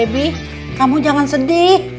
baby kamu jangan sedih